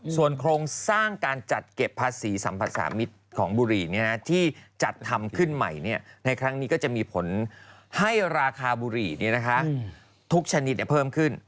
ส่วนโครงสร้างการจัดเก็บภาษีสัมผัสสามิตรของบุหรี่ที่จัดทำขึ้นใหม่ในครั้งนี้ก็จะมีผลให้ราคาบุหรี่ทุกชนิดเพิ่มขึ้น